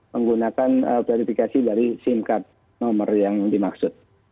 menggunakan verifikasi dari sim card nomor yang dimaksud